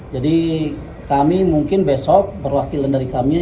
jadi kami mungkin besok berwakilan dari kami